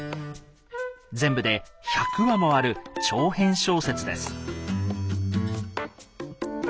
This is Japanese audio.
全部で１００話もある長編小説です。